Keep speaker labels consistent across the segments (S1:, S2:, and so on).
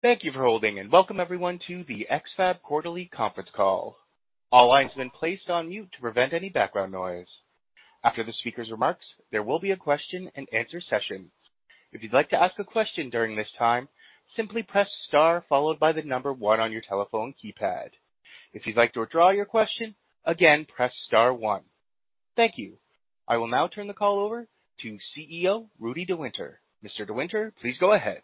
S1: Thank you for holding, and welcome everyone to the X-FAB quarterly conference call. All lines have been placed on mute to prevent any background noise. After the speaker's remarks, there will be a question and answer session. If you'd like to ask a question during this time, simply press star followed by the number one on your telephone keypad. If you'd like to withdraw your question, again, press star one. Thank you. I will now turn the call over to CEO, Rudi De Winter. Mr. De Winter, please go ahead.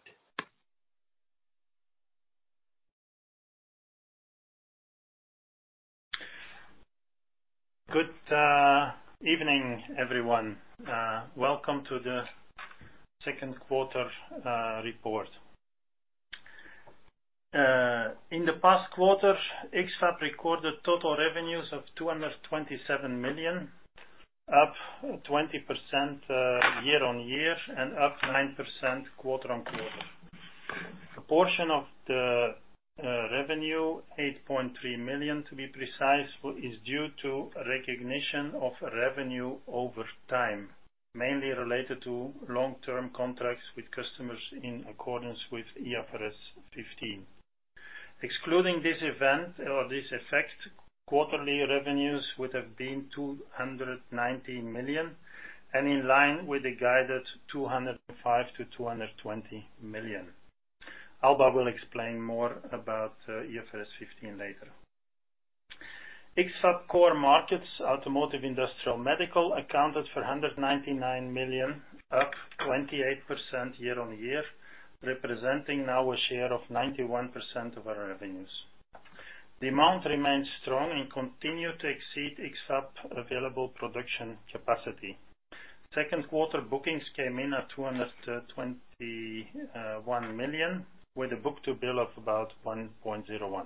S2: Good evening, everyone. Welcome to the second quarter report. In the past quarter, X-FAB recorded total revenues of $227 million, up 20% year-on-year, and up 9% quarter-on-quarter. A portion of the revenue, $8.3 million, to be precise, is due to recognition of revenue over time, mainly related to long-term contracts with customers in accordance with IFRS 15. Excluding this event or this effect, quarterly revenues would have been $219 million and in line with the guided $205 million-$220 million. Alba will explain more about IFRS 15 later. X-FAB core markets, automotive, industrial, medical, accounted for $199 million, up 28% year-on-year, representing now a share of 91% of our revenues. Demand remains strong and continue to exceed X-FAB available production capacity. Second quarter bookings came in at $221 million, with a book-to-bill of about 1.01.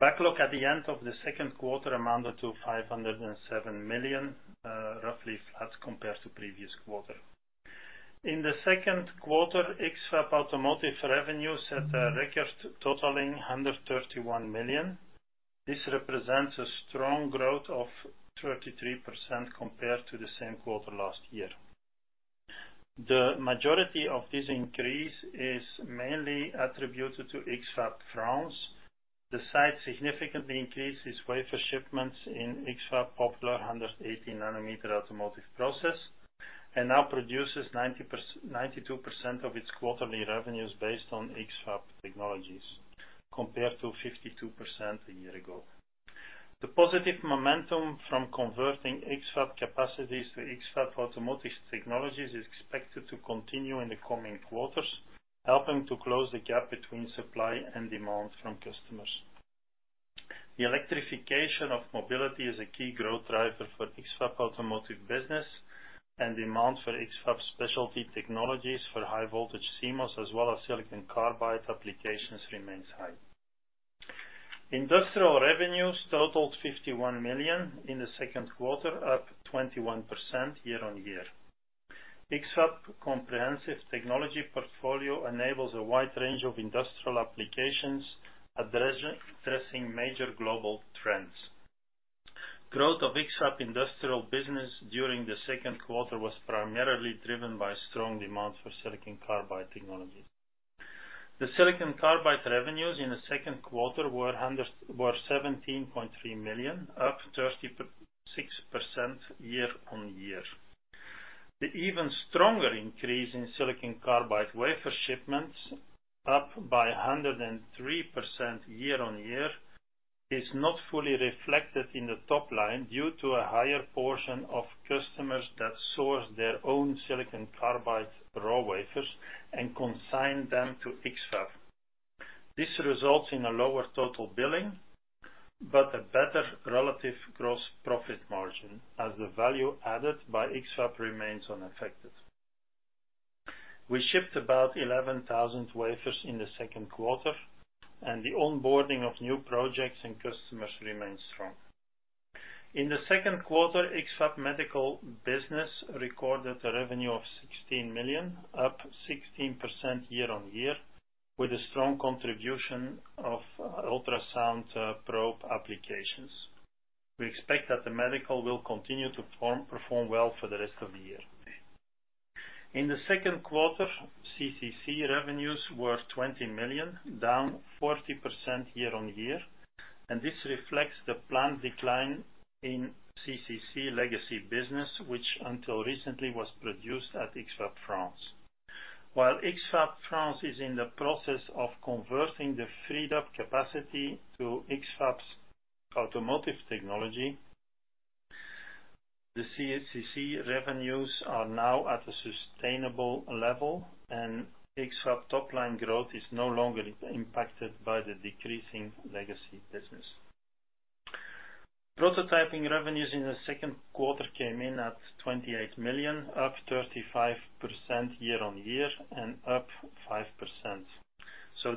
S2: Backlog at the end of the second quarter amounted to $507 million, roughly as compared to previous quarter. In the second quarter, X-FAB automotive revenues set a record totaling $131 million. This represents a strong growth of 33% compared to the same quarter last year. The majority of this increase is mainly attributed to X-FAB France. The site significantly increased its wafer shipments in X-FAB popular 180 nm automotive process, and now produces 92% of its quarterly revenues based on X-FAB technologies, compared to 52% a year ago. The positive momentum from converting X-FAB capacities to X-FAB Automotive technologies is expected to continue in the coming quarters, helping to close the gap between supply and demand from customers. The electrification of mobility is a key growth driver for X-FAB Automotive business, demand for X-FAB specialty technologies for high-voltage CMOS, as well as silicon carbide applications, remains high. Industrial revenues totaled $51 million in the second quarter, up 21% year-on-year. X-FAB comprehensive technology portfolio enables a wide range of industrial applications, addressing major global trends. Growth of X-FAB industrial business during the second quarter was primarily driven by strong demand for silicon carbide technology. The silicon carbide revenues in the second quarter were $17.3 million, up 36% year-on-year. The even stronger increase in silicon carbide wafer shipments, up by 103% year-on-year, is not fully reflected in the top line due to a higher portion of customers that source their own silicon carbide raw wafers and consign them to X-FAB. This results in a lower total billing, but a better relative gross profit margin as the value added by X-FAB remains unaffected. We shipped about 11,000 wafers in the second quarter, and the onboarding of new projects and customers remains strong. In the second quarter, X-FAB Medical business recorded a revenue of $16 million, up 16% year-on-year, with a strong contribution of ultrasound probe applications. We expect that the medical will continue to perform well for the rest of the year. In the second quarter, CCC revenues were $20 million, down 40% year-on-year. This reflects the planned decline in CCC legacy business, which until recently was produced at X-FAB France. While X-FAB France is in the process of converting the freed-up capacity to X-FAB's Automotive technology, the CCC revenues are now at a sustainable level. X-FAB top-line growth is no longer impacted by the decreasing legacy business. Prototyping revenues in the second quarter came in at $28 million, up 35% year-on-year and up 5%.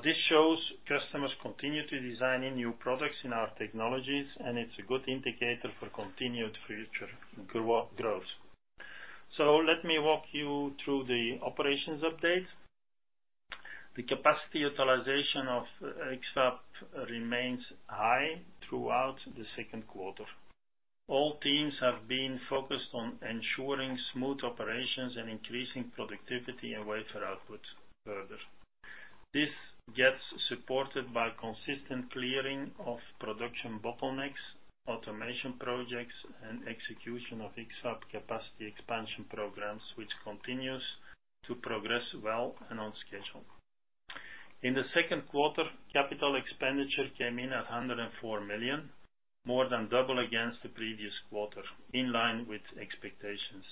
S2: This shows customers continue to design in new products in our technologies. It's a good indicator for continued future growth. Let me walk you through the operations update. The capacity utilization of X-FAB remains high throughout the second quarter. All teams have been focused on ensuring smooth operations and increasing productivity and wafer output further. This gets supported by consistent clearing of production bottlenecks, automation projects, and execution of X-FAB capacity expansion programs, which continues to progress well and on schedule. In the second quarter, capital expenditure came in at $104 million, more than double against the previous quarter, in line with expectations.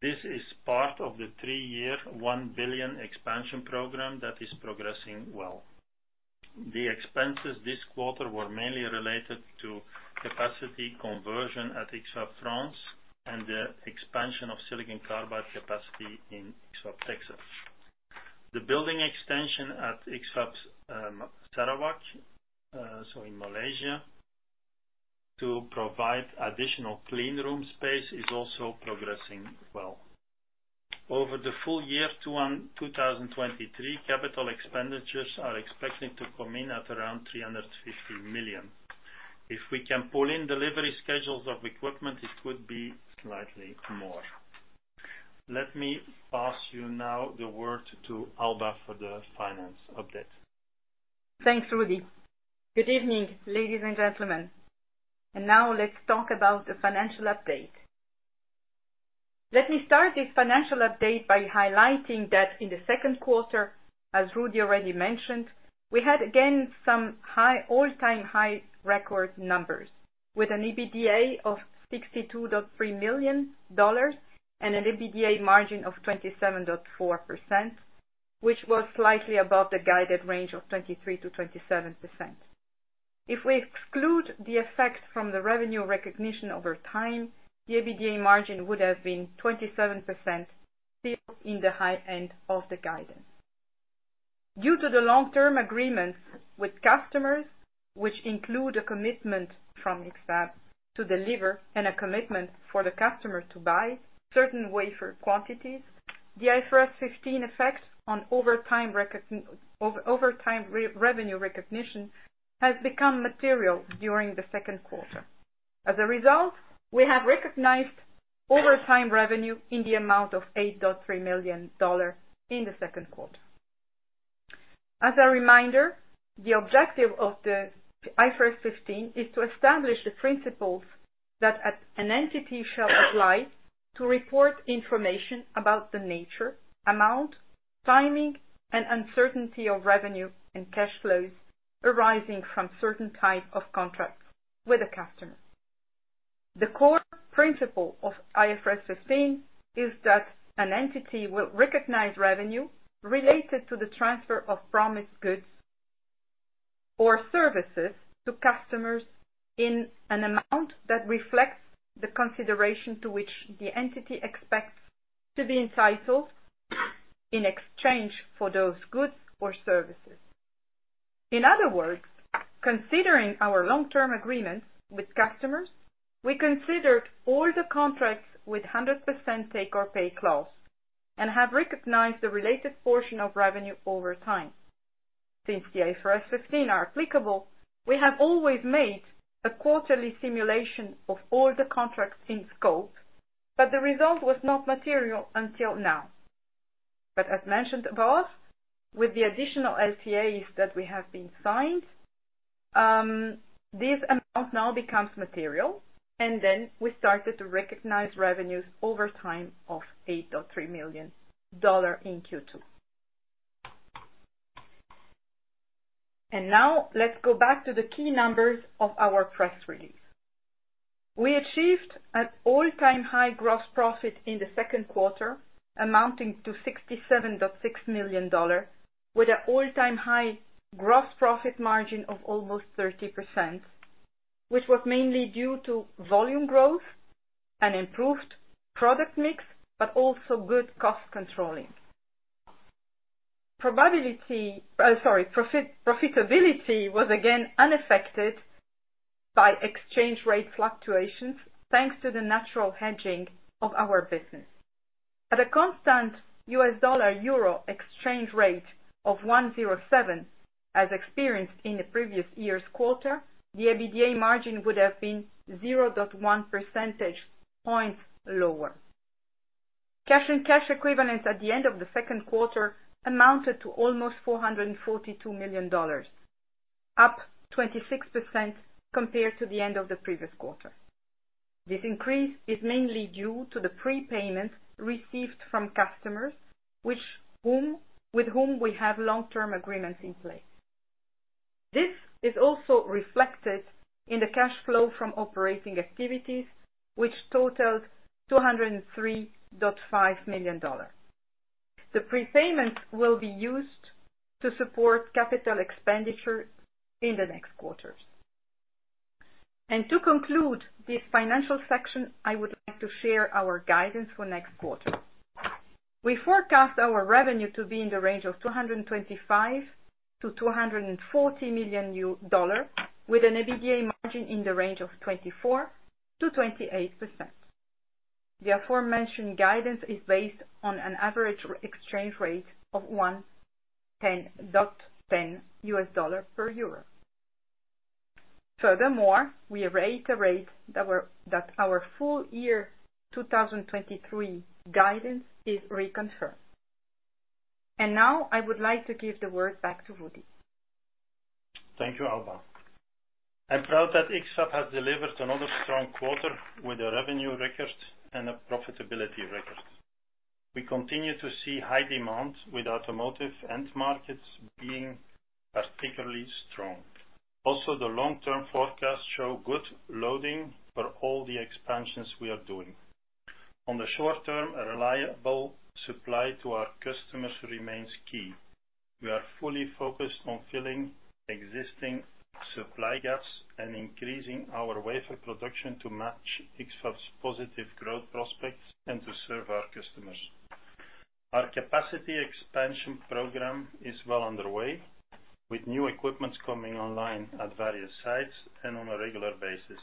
S2: This is part of the three-year, $1 billion expansion program that is progressing well. The expenses this quarter were mainly related to capacity conversion at X-FAB France and the expansion of silicon carbide capacity in X-FAB Texas. The building extension at X-FAB, Sarawak, so in Malaysia, to provide additional clean room space, is also progressing well. Over the full year 2023, capital expenditures are expecting to come in at around $350 million. If we can pull in delivery schedules of equipment, it would be slightly more. Let me pass you now the word to Alba for the finance update.
S3: Thanks, Rudi. Good evening, ladies and gentlemen. Now let's talk about the financial update. Let me start this financial update by highlighting that in the second quarter, as Rudi already mentioned, we had again some all-time high record numbers, with an EBITDA of $62.3 million and an EBITDA margin of 27.4%, which was slightly above the guided range of 23%-27%. If we exclude the effects from the revenue recognition over time, the EBITDA margin would have been 27%, still in the high end of the guidance. Due to the long-term agreements with customers, which include a commitment from X-FAB to deliver and a commitment for the customer to buy certain wafer quantities, the IFRS 15 effect on over time revenue recognition has become material during the second quarter. As a result, we have recognized over time revenue in the amount of $8.3 million in the second quarter. As a reminder, the objective of the IFRS 15 is to establish the principles that at an entity shall apply to report information about the nature, amount, timing, and uncertainty of revenue and cash flows arising from certain type of contracts with a customer. The core principle of IFRS 15 is that an entity will recognize revenue related to the transfer of promised goods or services to customers in an amount that reflects the consideration to which the entity expects to be entitled in exchange for those goods or services. In other words, considering our long-term agreements with customers, we considered all the contracts with 100% take-or-pay clause and have recognized the related portion of revenue over time. Since the IFRS 15 are applicable, we have always made a quarterly simulation of all the contracts in scope. The result was not material until now. As mentioned above, with the additional LTAs that we have been signed, this amount now becomes material. Then we started to recognize revenues over time of $8.3 million in Q2. Now let's go back to the key numbers of our press release. We achieved an all-time high gross profit in the second quarter, amounting to $67.6 million, with an all-time high gross profit margin of almost 30%, which was mainly due to volume growth and improved product mix. Also good cost controlling. Probability, sorry, profitability was again unaffected by exchange rate fluctuations, thanks to the natural hedging of our business. At a constant US dollar-euro exchange rate of 1.07, as experienced in the previous year's quarter, the EBITDA margin would have been 0.1 percentage points lower. Cash and cash equivalents at the end of the second quarter amounted to almost $442 million, up 26% compared to the end of the previous quarter. This increase is mainly due to the prepayment received from customers, with whom we have long-term agreements in place. This is also reflected in the cash flow from operating activities, which totals $203.5 million. The prepayment will be used to support capital expenditure in the next quarters. To conclude this financial section, I would like to share our guidance for next quarter. We forecast our revenue to be in the range of $225 million-$240 million, with an EBITDA margin in the range of 24%-28%. The aforementioned guidance is based on an average exchange rate of $1.10 per EUR. Furthermore, we reiterate that our full year 2023 guidance is reconfirmed. Now I would like to give the word back to Rudi.
S2: Thank you, Alba. I'm proud that X-FAB has delivered another strong quarter with a revenue record and a profitability record. We continue to see high demand, with automotive end markets being particularly strong. The long-term forecast show good loading for all the expansions we are doing. On the short term, a reliable supply to our customers remains key. We are fully focused on filling existing supply gaps and increasing our wafer production to match X-FAB's positive growth prospects and to serve our customers. Our capacity expansion program is well underway, with new equipments coming online at various sites and on a regular basis.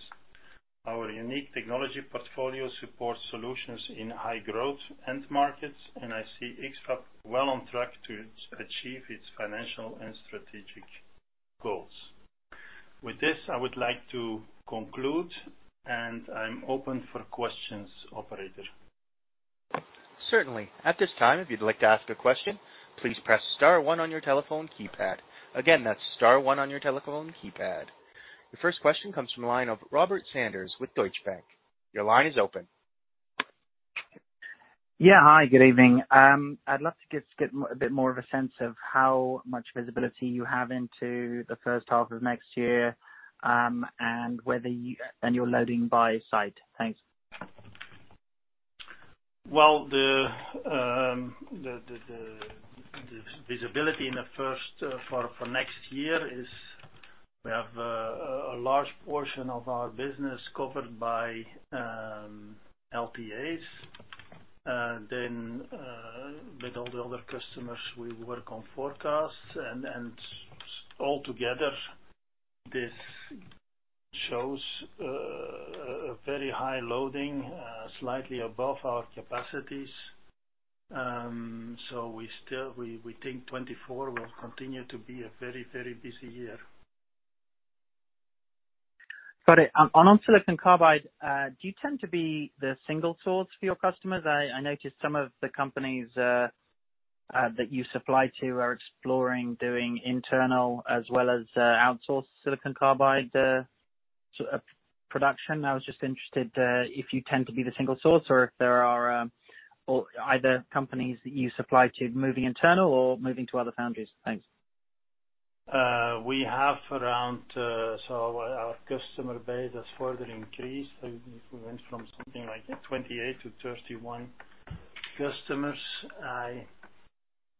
S2: Our unique technology portfolio supports solutions in high growth end markets, and I see X-FAB well on track to achieve its financial and strategic goals. With this, I would like to conclude, and I'm open for questions, operator.
S1: Certainly. At this time, if you'd like to ask a question, please press star one on your telephone keypad. Again, that's star one on your telephone keypad. The first question comes from the line of Robert Sanders with Deutsche Bank. Your line is open.
S4: Yeah. Hi, good evening. I'd love to get a bit more of a sense of how much visibility you have into the first half of next year, and whether and your loading by site. Thanks.
S2: Well, the visibility in the first for next year is we have a large portion of our business covered by LTAs. With all the other customers, we work on forecasts, and altogether, this shows a very high loading, slightly above our capacities. We still, we think 2024 will continue to be a very, very busy year.
S4: Got it. On silicon carbide, do you tend to be the single source for your customers? I noticed some of the companies that you supply to are exploring doing internal as well as outsourced silicon carbide production. I was just interested if you tend to be the single source or if there are or either companies that you supply to moving internal or moving to other foundries. Thanks.
S2: We have around. Our customer base has further increased. We went from something like 28 to 31 customers. I'd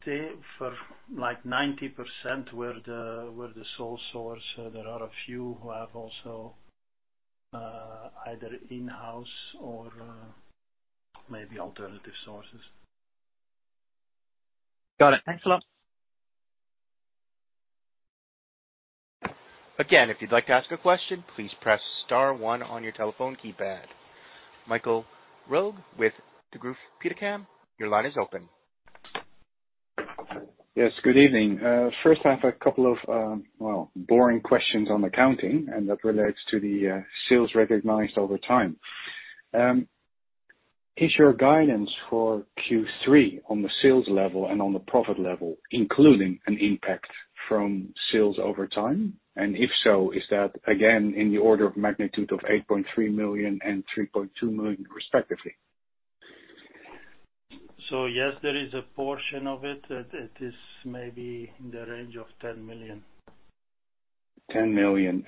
S2: say for, like, 90%, we're the sole source. There are a few who have also, either in-house or, maybe alternative sources.
S4: Got it. Thanks a lot.
S1: Again, if you'd like to ask a question, please press star 1 on your telephone keypad. Michael Roeg, with Degroof Petercam, your line is open.
S5: Yes, good evening. First, I have a couple of, well, boring questions on accounting, and that relates to the sales recognized over time. Is your guidance for Q3 on the sales level and on the profit level, including an impact from sales over time? If so, is that again in the order of magnitude of 8.3 million and 3.2 million, respectively?
S2: Yes, there is a portion of it that it is maybe in the range of $10 million.
S5: $10 million.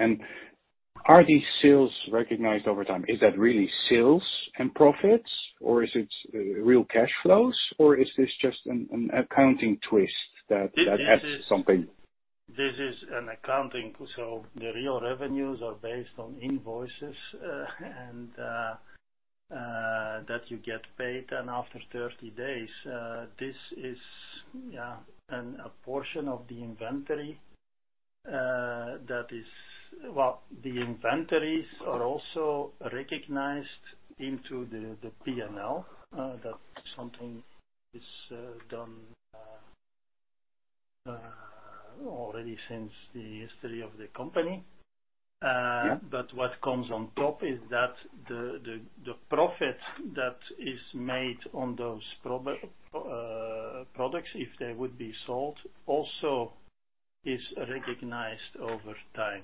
S5: Are these sales recognized over time, is that really sales and profits, or is it real cash flows, or is this just an accounting twist?
S2: This is-
S5: adds something?
S2: This is an accounting, so the real revenues are based on invoices, and that you get paid, and after 30 days, this is a portion of the inventory, that is. Well, the inventories are also recognized into the PNL. That something is done already since the history of the company.
S5: Yeah.
S2: What comes on top is that the profit that is made on those products, if they would be sold, also is recognized over time,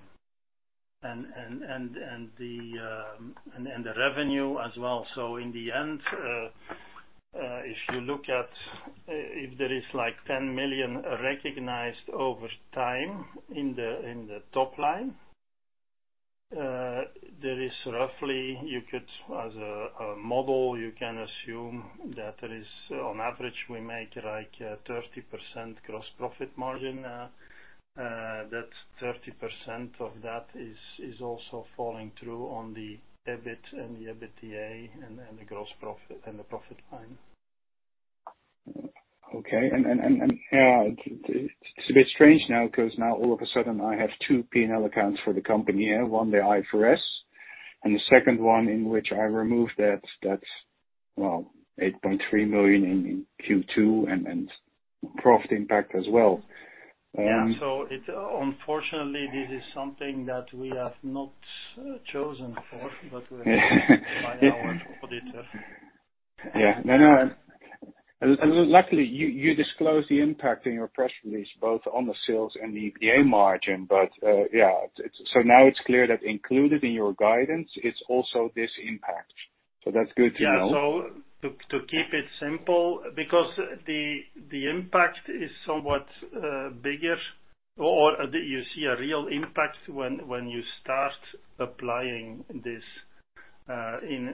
S2: and the revenue as well. In the end, if you look at if there is like $10 million recognized over time in the top line, there is roughly you could, as a model, you can assume that there is, on average, we make like 30% gross profit margin. That 30% of that is also falling through on the EBIT and the EBITDA and the gross profit and the profit line....
S5: Okay, and it's a bit strange now, 'cause now all of a sudden, I have two P&L accounts for the company. One, the IFRS, and the second one in which I remove that, well, $8.3 million in Q2, and profit impact as well.
S2: Yeah, it unfortunately, this is something that we have not chosen for, but by our auditor.
S5: Yeah. No, no. Luckily, you, you disclosed the impact in your press release, both on the sales and the EBITDA margin. Yeah, so now it's clear that included in your guidance, it's also this impact. That's good to know.
S2: To keep it simple, because the impact is somewhat bigger, or you see a real impact when you start applying this.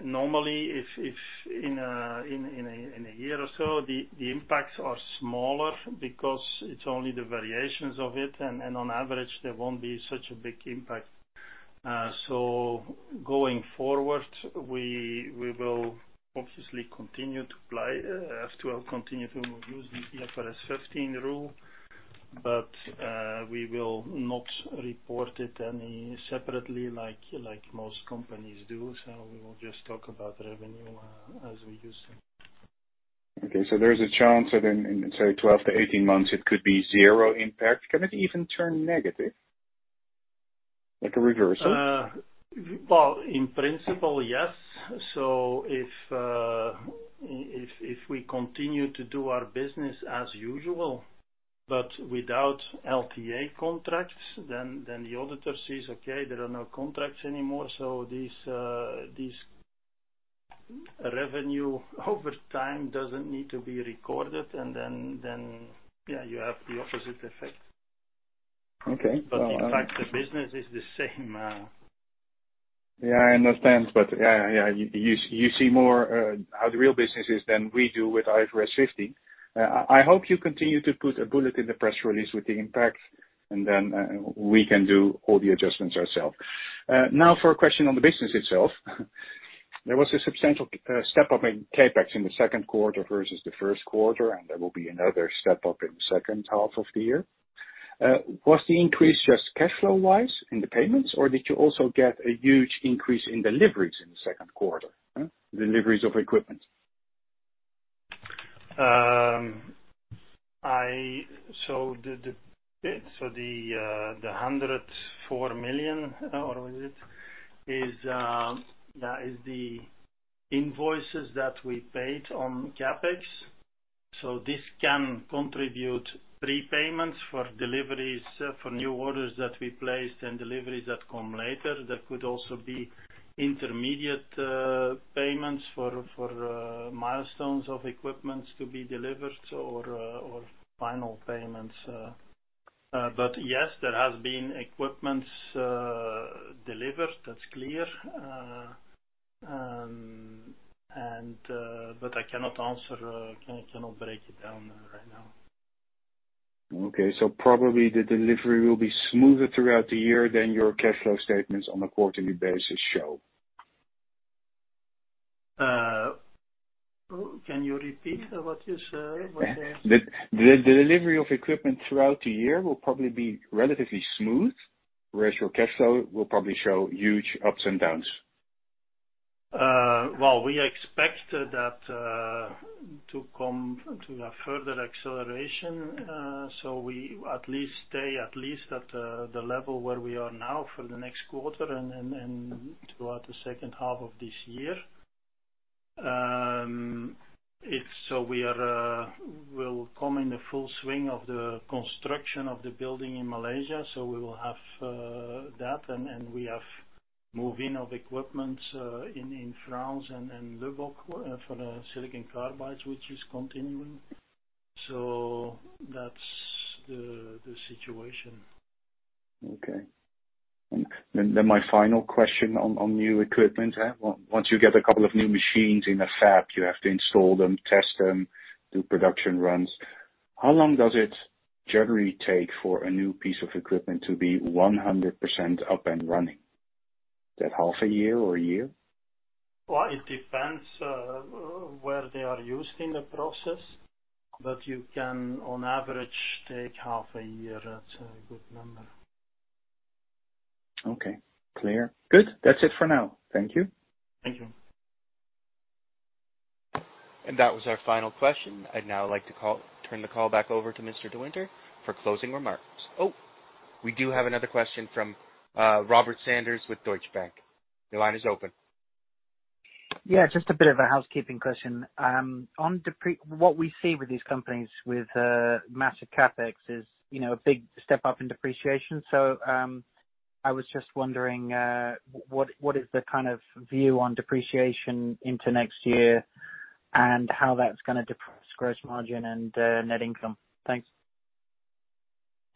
S2: Normally, if in a year or so, the impacts are smaller because it's only the variations of it, and on average, there won't be such a big impact. Going forward, we will obviously continue to apply as to continue to use the IFRS 15 rule, but we will not report it any separately, like most companies do, so we will just talk about revenue as we used to.
S5: Okay, there's a chance that in, in, say, 12 to 18 months, it could be zero impact. Can it even turn negative, like a reversal?
S2: Well, in principle, yes. If we continue to do our business as usual, but without LTA contracts, then the auditor says, "Okay, there are no contracts anymore, so these revenue over time doesn't need to be recorded," and then, yeah, you have the opposite effect.
S5: Okay.
S2: In fact, the business is the same.
S5: Yeah, I understand, but yeah, you see more how the real business is than we do with IFRS 15. I hope you continue to put a bullet in the press release with the impact, and then, we can do all the adjustments ourself. Now, for a question on the business itself. There was a substantial step-up in CapEx in the second quarter versus the first quarter, and there will be another step-up in the second half of the year. Was the increase just cash flow-wise in the payments, or did you also get a huge increase in deliveries in the second quarter, huh? Deliveries of equipment.
S2: The $104 million, or was it, is the invoices that we paid on CapEx. This can contribute prepayments for deliveries, for new orders that we placed and deliveries that come later. That could also be intermediate payments for milestones of equipments to be delivered or final payments. Yes, there has been equipments delivered. That's clear. I cannot answer, I cannot break it down right now.
S5: Okay. Probably the delivery will be smoother throughout the year than your cash flow statements on a quarterly basis show?
S2: Oh, can you repeat what you said?
S5: The delivery of equipment throughout the year will probably be relatively smooth, whereas your cash flow will probably show huge ups and downs.
S2: Well, we expect that to come to a further acceleration, so we at least stay at least at the level where we are now for the next quarter and throughout the second half of this year. If so, we are will come in the full swing of the construction of the building in Malaysia, so we will have that, and we have move-in of equipment in France and Lubbock for the silicon carbides, which is continuing. That's the situation.
S5: Okay. Then my final question on, on new equipment. Once you get a couple of new machines in a fab, you have to install them, test them, do production runs. How long does it generally take for a new piece of equipment to be 100% up and running? Is that half a year or a year?
S2: Well, it depends, where they are used in the process, but you can, on average, take half a year. That's a good number.
S5: Okay, clear. Good. That's it for now. Thank you.
S2: Thank you.
S1: That was our final question. I'd now like to turn the call back over to Mr. De Winter for closing remarks. Oh, we do have another question from Robert Sanders with Deutsche Bank. The line is open.
S4: Just a bit of a housekeeping question. On what we see with these companies with massive CapEx is, you know, a big step up in depreciation. I was just wondering what is the kind of view on depreciation into next year and how that's gonna depress gross margin and net income? Thanks.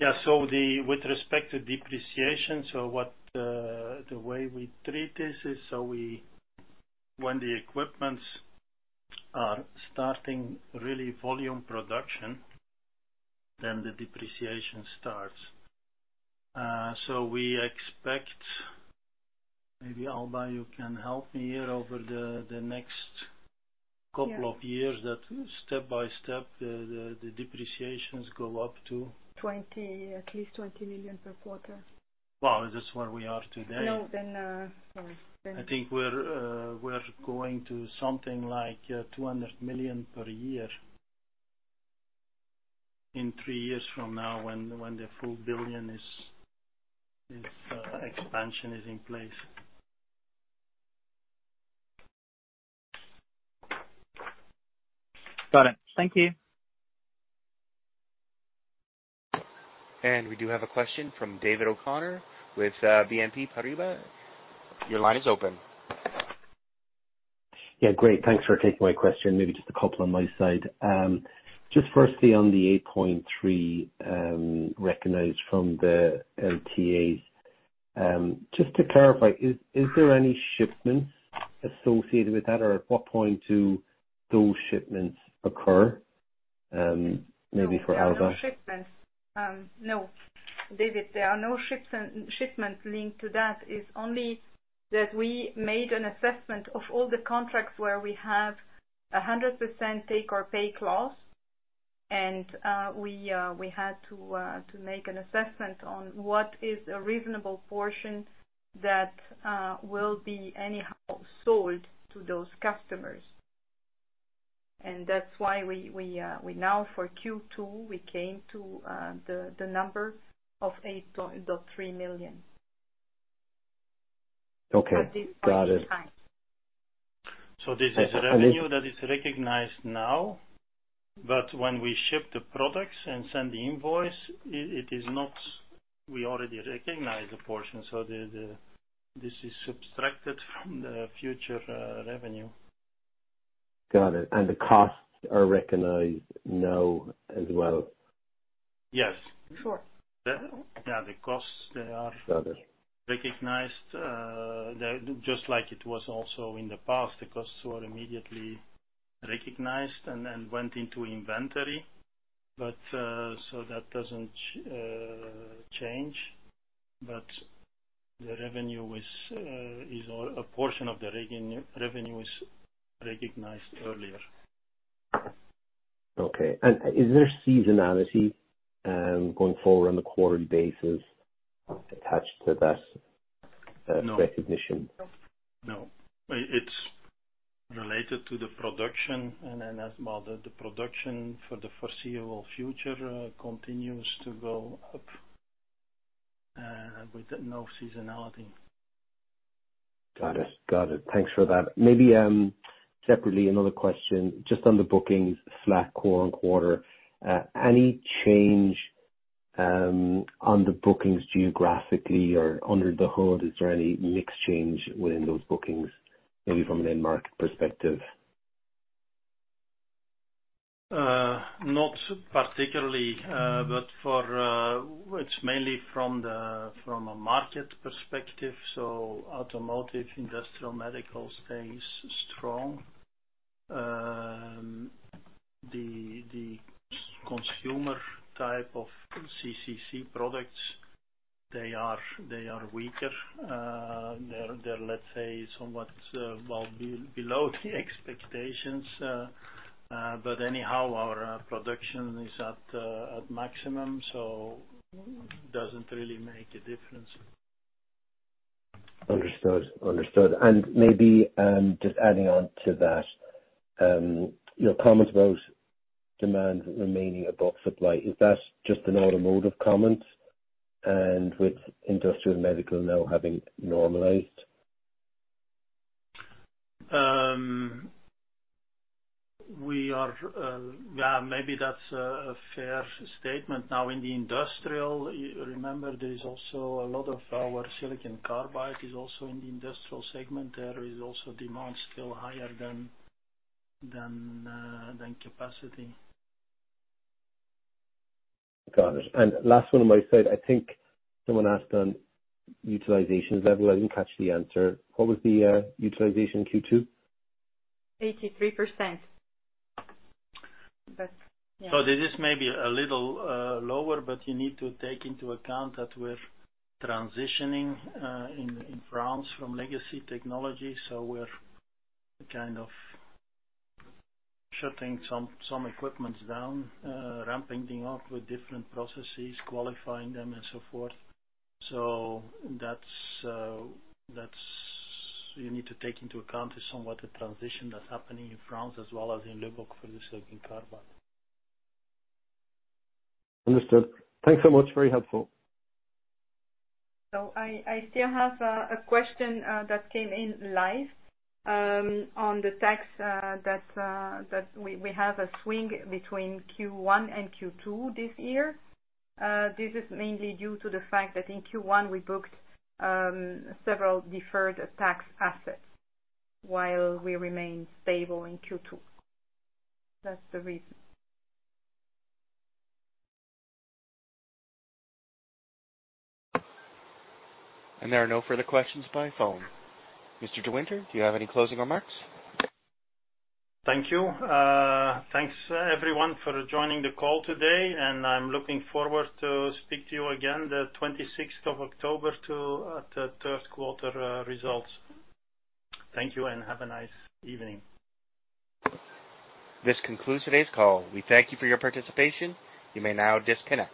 S2: With respect to depreciation, what the way we treat this is, when the equipments are starting really volume production, then the depreciation starts. Maybe Alba, you can help me here over the next couple of years, that step by step, the depreciations go up to?
S3: 20, at least $20 million per quarter.
S2: Well, this is where we are today.
S3: No, then, sorry.
S2: I think we're going to something like $200 million per year in 3 years from now, when the full $1 billion expansion is in place.
S1: Got it. Thank you. We do have a question from David O'Connor with BNP Paribas. Your line is open.
S6: Yeah, great. Thanks for taking my question. Maybe just a couple on my side. just firstly, on the $8.3 million recognized from the LTAs, just to clarify, is there any shipments associated with that? Or at what point do those shipments occur, maybe for Alba?
S3: Shipments. No, David, there are no shipments linked to that. It's only that we made an assessment of all the contracts where we have a 100% take-or-pay clause, we had to make an assessment on what is a reasonable portion that will be anyhow sold to those customers. That's why we now for Q2, we came to the number of $8.3 million.
S6: Okay. Got it.
S3: At this time.
S2: This is a revenue that is recognized now, but when we ship the products and send the invoice, it is not. We already recognized the portion, so this is subtracted from the future revenue.
S6: Got it. The costs are recognized now as well?
S2: Yes.
S3: Sure.
S2: Yeah, the costs.
S6: Got it.
S2: recognized, they're just like it was also in the past. The costs were immediately recognized and went into inventory, so that doesn't change. The revenue is, or a portion of the revenue is recognized earlier.
S6: Okay. Is there seasonality going forward on the quarter basis attached to that?
S2: No.
S6: -recognition?
S2: No. It's related to the production, and then as well, the production for the foreseeable future, continues to go up, with no seasonality.
S6: Got it. Got it. Thanks for that. Maybe, separately, another question just on the bookings flat quarter-on-quarter, any change on the bookings geographically or under the hood? Is there any mix change within those bookings, maybe from an end market perspective?
S2: Not particularly, but for... It's mainly from the, from a market perspective. Automotive, industrial, medical, stays strong. The consumer type of CCC products, they are weaker. They're, let's say, somewhat, well, below the expectations. Anyhow, our production is at maximum. Doesn't really make a difference.
S6: Understood. Maybe, just adding on to that, your comment about demand remaining above supply, is that just an automotive comment, and with industrial and medical now having normalized?
S2: We are, yeah, maybe that's a fair statement. In the industrial, remember, there is also a lot of our silicon carbide is also in the industrial segment. There is also demand still higher than capacity.
S6: Got it. Last one on my side. I think someone asked on utilization level. I didn't catch the answer. What was the utilization in Q2?
S3: 83%. Yeah.
S2: This is maybe a little lower, but you need to take into account that we're transitioning in France from legacy technology, so we're kind of shutting some, some equipments down, ramping things up with different processes, qualifying them, and so forth. You need to take into account is somewhat a transition that's happening in France as well as in Lubbock for the silicon carbide.
S6: Understood. Thanks so much. Very helpful.
S3: I still have a question that came in live on the tax that we have a swing between Q1 and Q2 this year. This is mainly due to the fact that in Q1 we booked several deferred tax assets, while we remain stable in Q2. That's the reason.
S1: There are no further questions by phone. Mr. De Winter, do you have any closing remarks?
S2: Thank you. Thanks, everyone, for joining the call today, and I'm looking forward to speak to you again the 26th of October to, at the third quarter results. Thank you and have a nice evening.
S1: This concludes today's call. We thank you for your participation. You may now disconnect.